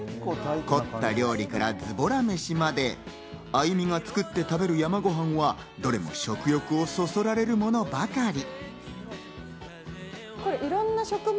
凝った料理からズボラ飯まで、鮎美が作って食べる山ごはんのは、どれも食欲をそそられるものばかり。